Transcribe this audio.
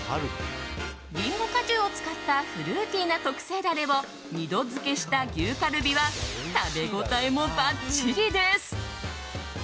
リンゴ果汁を使ったフルーティーな特製ダレを２度漬けした牛カルビは食べ応えもばっちりです。